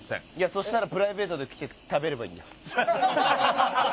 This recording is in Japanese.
そしたらプライベートで来て食べればいいんだよ。